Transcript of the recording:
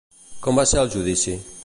Com va ser el judici?